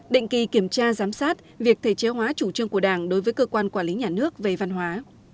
định kỳ kiểm tra giám sát việc thể chế hóa chủ trương của đảng đối với cơ quan quản lý nhà nước về văn hóa